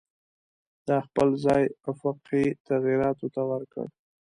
دا خپل ځای آفاقي تغییراتو ته ورکړ.